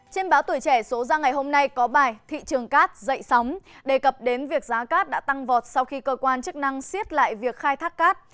trên báo tuổi trẻ số ra ngày hôm nay có bài thị trường cát dậy sóng đề cập đến việc giá cát đã tăng vọt sau khi cơ quan chức năng xiết lại việc khai thác cát